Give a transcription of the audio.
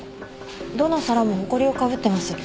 どの皿もほこりをかぶってます。